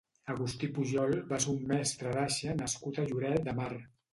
Agustí Pujol va ser un mestre d'aixa nascut a Lloret de Mar.